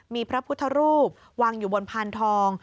มีพระพุทธรูปวางอยู่บนพานทอง